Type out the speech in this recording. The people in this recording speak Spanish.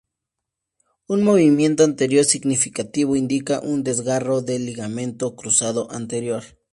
Un movimiento anterior significativo indica un desgarro del ligamento cruzado anterior.